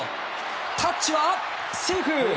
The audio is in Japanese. タッチは、セーフ！